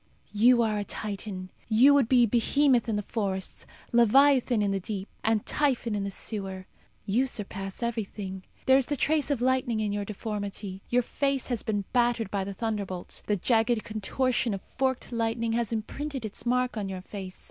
You you are a Titan. You would be Behemoth in the forests, Leviathan in the deep, and Typhon in the sewer. You surpass everything. There is the trace of lightning in your deformity; your face has been battered by the thunderbolt. The jagged contortion of forked lightning has imprinted its mark on your face.